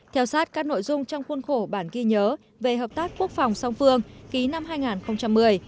theo sát các nội dung trong khuôn khổ bản ghi nhớ về hợp tác quốc phòng song phương ký năm hai nghìn một mươi